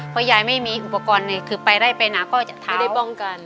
เพราะยายไม่มีอุปกรณ์เนี้ยคือไปได้ไปน่ะก็จะเท้าไม่ได้ป้องกัน